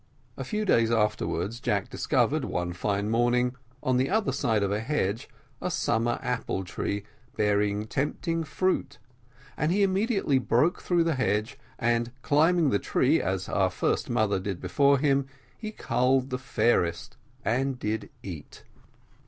A few days afterwards, Jack discovered, one fine morning, on the other side of a hedge, a summer apple tree bearing tempting fruit, and he immediately broke through the hedge, and climbing the tree, as our first mother did before him, he culled the fairest and did eat.